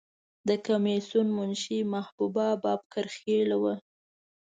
د کمیسیون منشی محبوبه بابکر خیل وه.